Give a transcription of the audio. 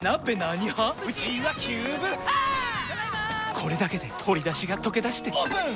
これだけで鶏だしがとけだしてオープン！